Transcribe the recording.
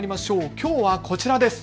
きょうはこちらです。